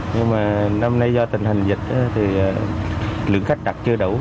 nhưng mà năm nay do tình hình dịch thì lượng khách đặt chưa đủ